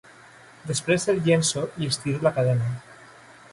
Després el llenço i estiro la cadena.